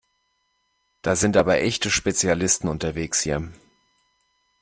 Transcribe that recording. Da sind aber echte Spezialisten unterwegs hier!